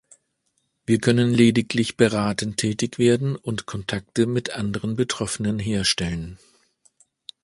Wir können lediglich beratend tätig werden und Kontakte mit anderen Betroffenen herstellen.